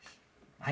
はい。